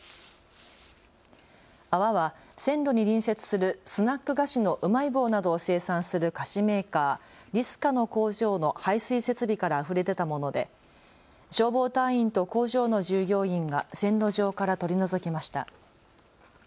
泡は線路に隣接するスナック菓子のうまい棒などを生産する菓子メーカー、リスカの工場の排水設備からあふれ出たもので消防隊員と工場の従業員が線路上から取り除きました。